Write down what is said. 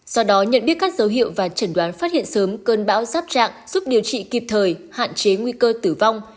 do đó nhận biết các dấu hiệu và chẩn đoán phát hiện sớm cơn bão sắp trạng giúp điều trị kịp thời hạn chế nguy cơ tử vong